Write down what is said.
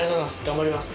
頑張ります。